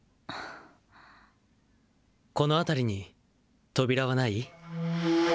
この辺りに扉はない？